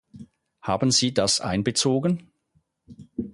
Haben Sie das einbezogen?